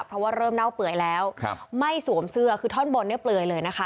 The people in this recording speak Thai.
เพราะว่าเริ่มเน่าเปื่อยแล้วไม่สวมเสื้อคือท่อนบนเนี่ยเปลือยเลยนะคะ